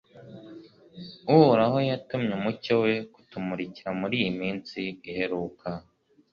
uhoraho yatumye umucyo we kutumurikira muri iyi minsi iheruka